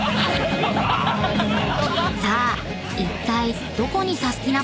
［さあいったいどこにサスティな！